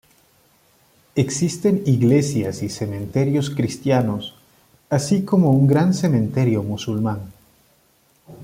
Existen iglesias y cementerios cristianos, así como un gran cementerio musulmán.